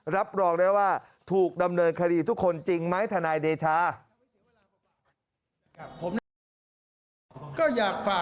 รับรองได้ว่าถูกดำเนินคดีทุกคนจริงไหมทนายเดชา